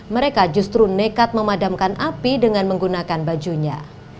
mereka justru nekat memadamkan api dengan menggunakan bajunya